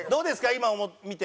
今見て。